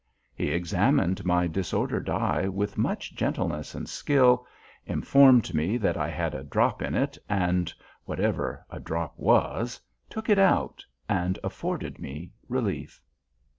He examined my disordered eye with much gentleness and skill, informed me that I had a drop in it, and (whatever a "drop" was) took it out, and afforded me relief.